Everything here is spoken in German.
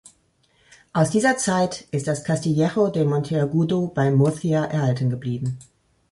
Aus dieser Zeit ist das Castillejo de Monteagudo bei Murcia erhalten geblieben.